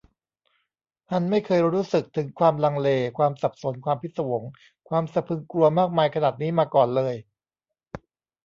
ฮันไม่เคยรู้สึกถึงความลังเล ความสับสน ความพิศวง ความสะพรึงกลัวมากมายขนาดนี้มาก่อนเลย